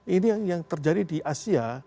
ini yang terjadi di asia